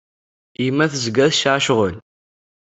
Yemma tezga tesɛa ccɣel.